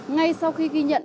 ngay sau khi ghi nhận